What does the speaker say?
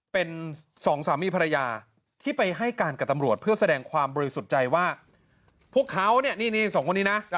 เป็นสองสามีภรรยาที่ไปให้การกับตำรวจเพื่อแสดงความบริสุทธิ์ใจว่าพวกเขาเนี่ยนี่สองคนนี้นะ